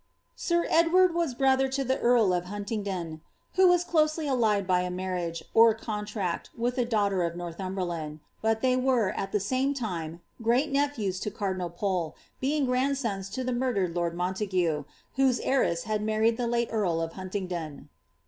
Sir Edward was brother to the earl of Huntingdon (who was closely allied by a marriage, or contract, with i daughter of Northumberland), but they were, at the same time, great nephews to cardinal Pole, being grandsons to the murdered lord Mon tague, whose heiress had married the late earl of Huntingdon.'